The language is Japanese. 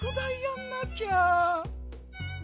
ん？